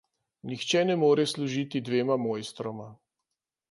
Nihče ne more služiti dvema mojstroma.